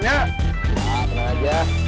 nah bener aja